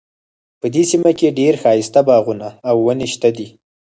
په دې سیمه کې ډیر ښایسته باغونه او ونې شته دي